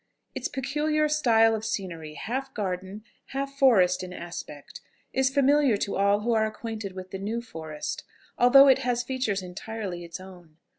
Its peculiar style of scenery, half garden, half forest in aspect, is familiar to all who are acquainted with the New Forest, although it has features entirely its own.